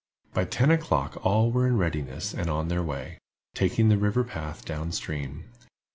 By ten o'clock all were in readiness and on their way, taking the river path down stream.